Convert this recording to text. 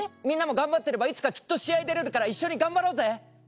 みんなも頑張ってればいつかきっと試合に出れるから一緒に頑張ろうぜ。